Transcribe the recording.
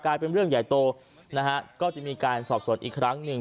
กลายเป็นเรื่องใหญ่โตก็จะมีการสอบสดอีกครั้งหนึ่ง